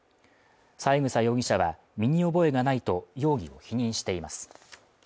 三枝容疑者は身に覚えがないと容疑を否認しています。